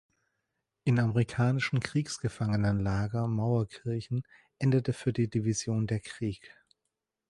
Im amerikanischen Kriegsgefangenenlager Mauerkirchen endete für die Division der Krieg.